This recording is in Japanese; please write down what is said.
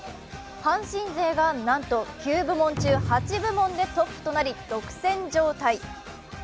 阪神勢が、なんと９部門中８部門でトップとなり独占状態。